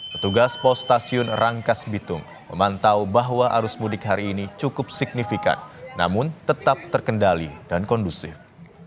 petugas pos stasiun rangkas bitung memantau bahwa arus mudik hari ini cukup signifikan namun tetap terkendali dan kondusif